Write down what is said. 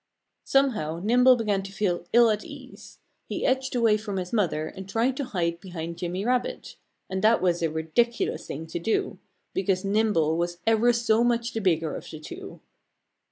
Somehow Nimble began to feel ill at ease. He edged away from his mother and tried to hide behind Jimmy Rabbit. And that was a ridiculous thing to do; because Nimble was ever so much the bigger of the two.